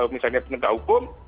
misalnya dari penegak hukum